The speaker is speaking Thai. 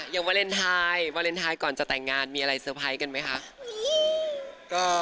วาเลนไทยวาเลนไทยก่อนจะแต่งงานมีอะไรเซอร์ไพรส์กันไหมคะ